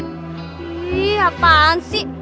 ih apaan sih